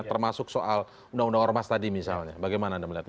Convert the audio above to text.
termasuk soal undang undang ormas tadi misalnya bagaimana anda melihatnya